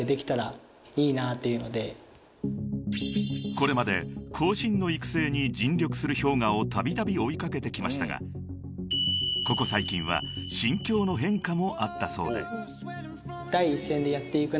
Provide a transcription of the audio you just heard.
［これまで後進の育成に尽力するＨｙＯｇＡをたびたび追い掛けてきましたがここ最近は心境の変化もあったそうで］